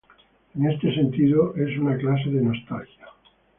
En este sentido, es una clase de nostalgia.